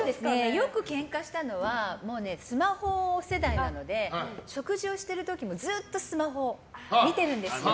よくケンカしたのはスマホ世代なので食事をしてる時もずっとスマホを見てるんですよ。